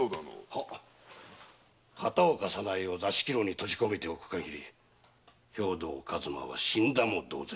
はっ片岡早苗を座敷牢に閉じ込めておく限り兵藤数馬は死んだも同然。